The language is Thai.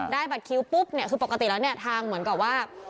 บัตรคิวปุ๊บเนี่ยคือปกติแล้วเนี่ยทางเหมือนกับว่า